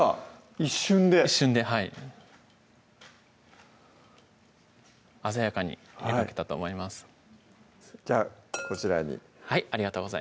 一瞬で一瞬ではい鮮やかに出てきたと思いますじゃあこちらにはいありがとうございます